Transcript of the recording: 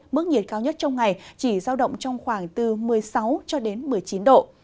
mức nhiệt cao nhất trong ngày chỉ giao động trong khoảng từ một mươi sáu một mươi chín độ